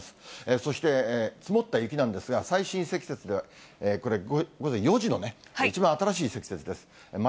そして積もった雪なんですが、最深積雪では、これ、午前４時の一番新しい積雪です。